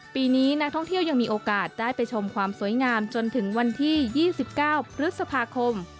ปีนี้นักท่องเที่ยวยังมีโอกาสได้ไปชมความสวยงามจนถึงวันที่๒๙พฤษภาคม